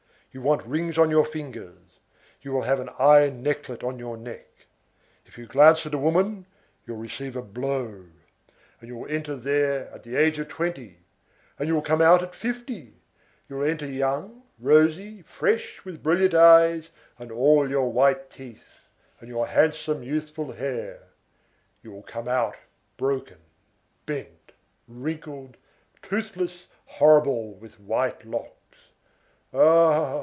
You want rings on your fingers, you will have an iron necklet on your neck. If you glance at a woman, you will receive a blow. And you will enter there at the age of twenty. And you will come out at fifty! You will enter young, rosy, fresh, with brilliant eyes, and all your white teeth, and your handsome, youthful hair; you will come out broken, bent, wrinkled, toothless, horrible, with white locks! Ah!